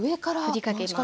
ふりかけます。